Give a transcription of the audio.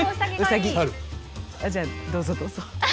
じゃあどうぞどうぞ。